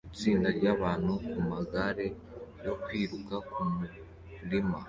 Itsinda ryabantu kumagare yo kwiruka kumurima